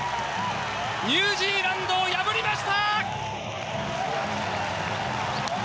ニュージーランドを破りました！